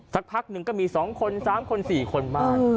สักพักหนึ่งก็มี๒คน๓คน๔คนบ้าน